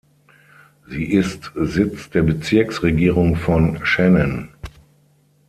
Sie ist Sitz der Bezirksregierung von Shannan.